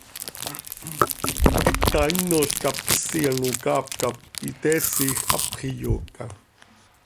Hita hinol cap cosi ano caap cap itésijc, hapx iyooca.